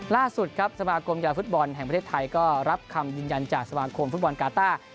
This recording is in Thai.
ล่าสุดครับสมาคมกีฬาฟุตบอลแห่งประเทศไทยก็รับคำยืนยันจากสมาคมฟุตบอลกาต้า